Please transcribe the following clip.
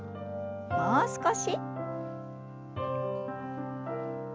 もう少し。